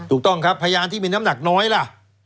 ถูกต้องครับพยานที่มีน้ำหนักน้อยล่ะ